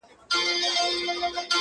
o نينې په پټه نه چيچل کېږي.